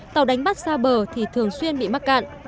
tàu đánh bắt xa bờ thì thường xuyên bị mắc cạn